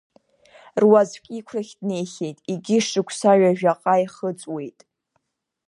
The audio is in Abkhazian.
Руаӡәк иқәрахь днеихьеит, егьи шықәса ҩажәаҟа ихыҵуеит.